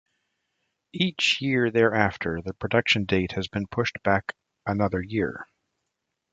Each year thereafter the production date has been pushed back another year.